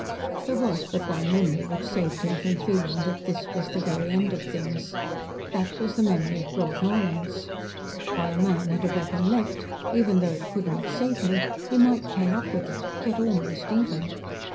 There was but one memory which saved him from feeling that this was the very end of things. That was the memory of Broadmorlands. While a man had a weapon left, even though it could not save him, he might pay up with it get almost even.